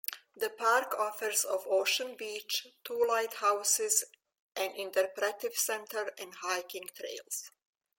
The park offers of ocean beach, two lighthouses, an interpretive center and hiking trails.